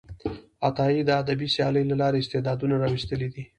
عطایي د ادبي سیالۍ له لارې استعدادونه راویستلي دي.